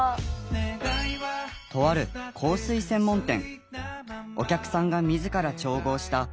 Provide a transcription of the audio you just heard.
とある香水専門店。